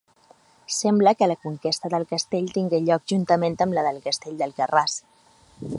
Sembla que la conquesta del castell tingué lloc juntament amb la del castell d'Alcarràs.